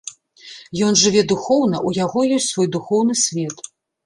Ён жыве духоўна, у яго ёсць свой духоўны свет.